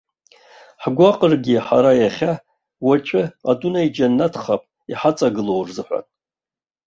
Ҳгәаҟыргьы ҳара иахьа, уаҵәы адунеи џьанаҭхап иҳаҵагыло рзыҳәан!